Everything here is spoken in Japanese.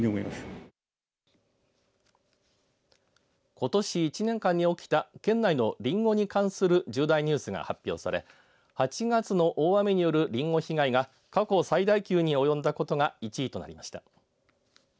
ことし１年間に起きた県内のりんごに関する１０大ニュースが発表され８月の大雨によるりんご被害が過去最大級に及んだことが１位となりました。